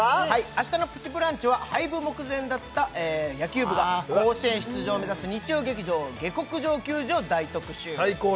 明日の「プチブランチ」は廃部目前だった野球部が甲子園出場を目指す日曜劇場「下剋上球児」を大特集最高！